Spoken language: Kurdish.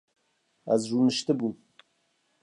Ez rûniştibûm